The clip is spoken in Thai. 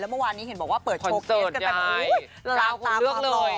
แล้วเมื่อวานนี้เห็นบอกว่าเปิดโชว์เคสกันไปอุ้ยราวคงเลือกเลย